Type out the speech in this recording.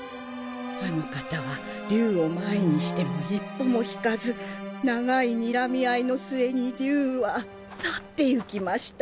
あの方は竜を前にしても一歩も引かず長いにらみ合いの末に竜は去っていきました。